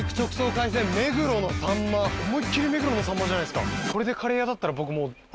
思いっ切り目黒のさんまじゃないですか。